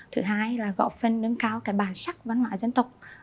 thứ hai là góp phần nâng cao bản sắc văn hóa dân tộc